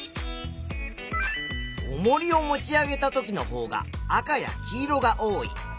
おもりを持ち上げたときのほうが赤や黄色が多い。